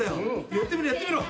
やってみろやってみろ。